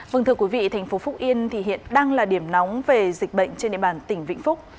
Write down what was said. vâng thưa quý vị thành phố phúc yên thì hiện đang là điểm nóng về dịch bệnh trên địa bàn tỉnh vĩnh phúc